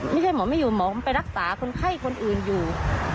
ไม่ใช่หมอไม่อยู่หมอไปรักษาคนไข้คนอื่นอยู่